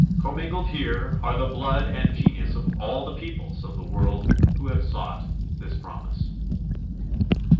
Commingled here are the blood and genius of all the peoples of the world who have sought this promise.